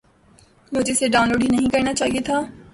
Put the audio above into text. مجھے اسے download ہی نہیں کرنا چاہیے تھا